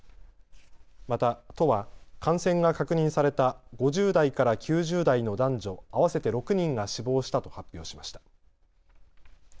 また都は感染が確認された５０代から９０代の男女、合わせて６人が死亡したと発表しました。